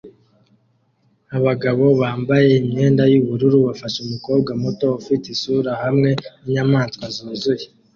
Abagabo bambaye imyenda yubururu bafashe umukobwa muto ufite isura hamwe ninyamaswa zuzuye